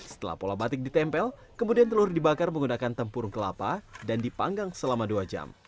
setelah pola batik ditempel kemudian telur dibakar menggunakan tempurung kelapa dan dipanggang selama dua jam